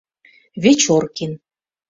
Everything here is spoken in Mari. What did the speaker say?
ВЕЧОРКИН